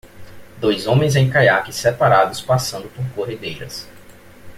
Dois homens em caiaques separados passando por corredeiras.